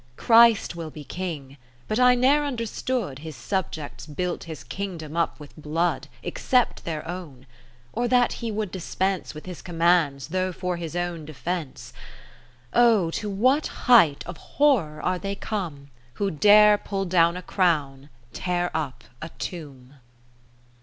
Christ will be King, but I ne'er understood His subjects built His Kingdom up with blood, Except their own; or that He would dispense With His commands, though for His own defence. 30 Oh ! to what height of horror are they come Who dare pull down a crown, tear up a tomb